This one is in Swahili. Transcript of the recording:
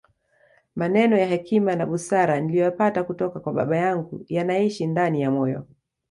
Maneno ya hekima na busara niliyoyapata kutoka kwa baba yangu yanaishi ndani ya moyo